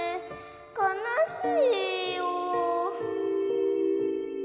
かなしいよ。